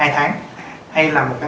hai tháng hay là một cái